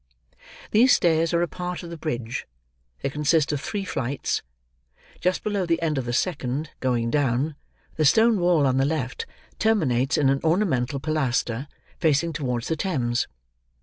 These stairs are a part of the bridge; they consist of three flights. Just below the end of the second, going down, the stone wall on the left terminates in an ornamental pilaster facing towards the Thames.